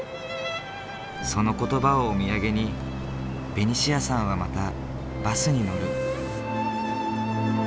その言葉をお土産にベニシアさんはまたバスに乗る。